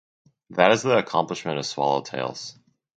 That is the accomplishment of "Swallow Tales".